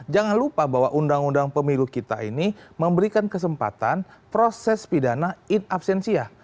jangan lupa bahwa undang undang pemilu kita ini memberikan kesempatan proses pidana in absensia